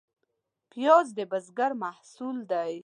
پیاز د بزګر محصول دی